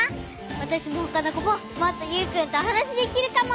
わたしもほかのこももっとユウくんとおはなしできるかも！